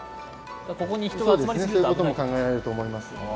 そういうことも考えられると思います。